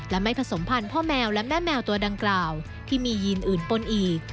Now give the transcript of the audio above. และไม่ผสมพันธ์พ่อแมวและแม่แมวตัวดังกล่าวที่มียีนอื่นปนอีก